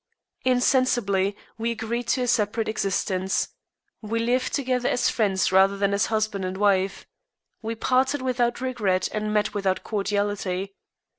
Insensibly, we agreed to a separate existence. We lived together as friends rather than as husband and wife. We parted without regret and met without cordiality.